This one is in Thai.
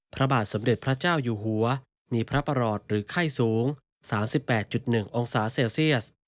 พระบาทสมเด็จพระเจ้าอยู่หัวมีพระประหลอดหรือไข้สูง๓๘๑องศาเซลเซียส